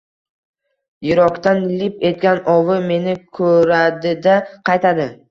Yirokdan lip etgan «ovi» — meni koʼradi-da, qaytadi.